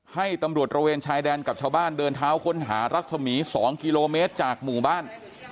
ให้ตำรวจระเวนชายแดนกับชาวบ้านเดินเท้าค้นหารัศมี๒กิโลเมตรจากหมู่บ้าน